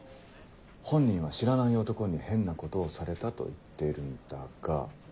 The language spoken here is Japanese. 本人は「知らない男に変なことをされた」と言っているんだが。